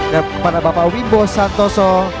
kepada bapak wimbo santoso